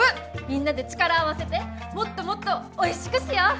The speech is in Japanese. みんなで力を合わせてもっともっとおいしくしよう！